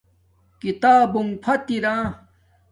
کتابونݣ فت ارا